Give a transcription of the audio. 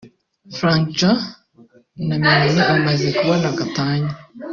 Frankie Joe na Melanie bamaze kubona gatanya